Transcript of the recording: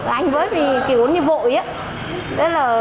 anh với kiểu như vội á